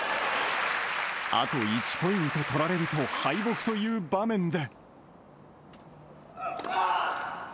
あと１ポイント取られると敗北という場面で。